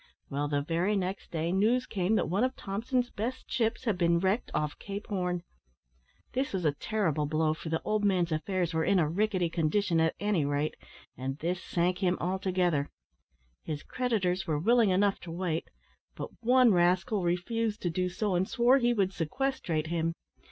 Well, the very next day news came that one of Thompson's best ships had been wrecked off Cape Horn. This was a terrible blow, for the old man's affairs were in a rickety condition at any rate, and this sank him altogether. His creditors were willing enough to wait, but one rascal refused to do so, and swore he would sequestrate him.